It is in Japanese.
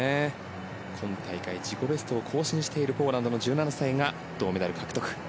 今大会自己ベストを更新しているポーランドの１７歳が銅メダル獲得。